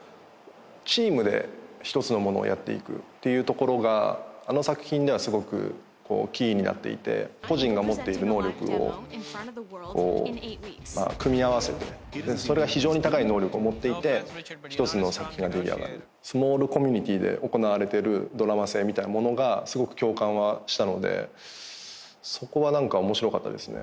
チームでひとつのものをやっていくっていうところがあの作品ではすごくキーになっていて個人が持っている能力を組み合わせてそれが非常に高い能力を持っていてひとつの作品が出来上がるスモールコミュニティで行われてるドラマ性みたいなものがすごく共感はしたのでそこはなんか面白かったですね